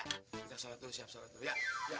kita sholat dulu siap sholat dulu ya